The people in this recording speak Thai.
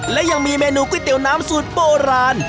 และยังมีเมนูก๋วยเตี๋ยวน้ำสูตรโบราณ